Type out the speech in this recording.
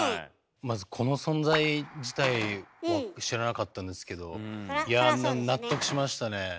まずこの存在自体を知らなかったんですけどいや納得しましたね。